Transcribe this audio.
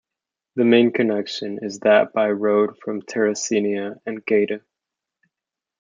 The main connection is that by road from Terracina and Gaeta.